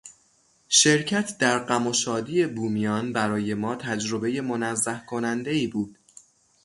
شرکت در غم و شادی بومیان برای ما تجربهی منزه کنندهای بود.